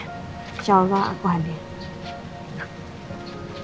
insya allah aku hadir